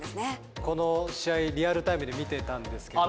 この試合リアルタイムで見てたんですけど。